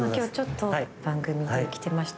今番組で来てまして。